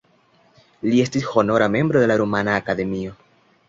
Li estis honora membro de la Rumana Akademio.